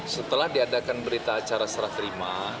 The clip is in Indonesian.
setelah diadakan berita acara serah terima